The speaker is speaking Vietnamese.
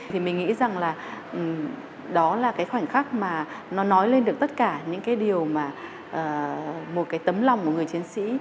thì mình nghĩ rằng là đó là cái khoảnh khắc mà nó nói lên được tất cả những cái điều mà một cái tấm lòng của người chiến sĩ